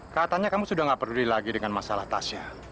katanya kamu sudah gak peduli lagi dengan masalah tasya